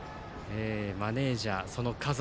マネージャー、その家族